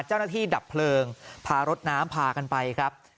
เจ้าหน้าที่ดับเพลิงพารถน้ำพากันไปครับ